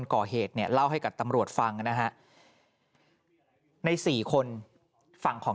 ก่อเหตุเนี่ยเล่าให้กับตำรวจฟังนะฮะใน๔คนฝั่งของ